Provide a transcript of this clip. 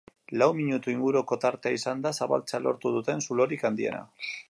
Lau minutu inguruko tartea izan da zabaltzea lortu duten zulorik handiena.